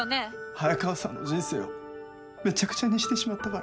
早川さんの人生をめちゃくちゃにしてしまったから。